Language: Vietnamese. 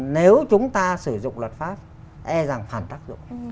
nếu chúng ta sử dụng luật pháp e rằng phản tác dụng